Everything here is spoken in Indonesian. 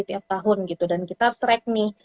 tiap tahun gitu dan kita track nih